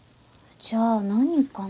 じゃあ何かな？